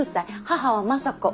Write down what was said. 母は政子。